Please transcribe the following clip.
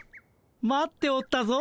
待っておったぞ。